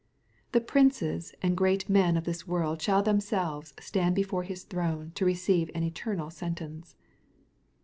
YThe princes and great men of this world shall themselves stand before His throne to receive an eternal sentence.